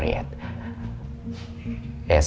dia belum jawab